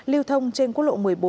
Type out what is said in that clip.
liêu thông trên quốc lộ một mươi bốn